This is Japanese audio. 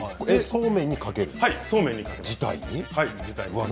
そうめんにかける？自体に？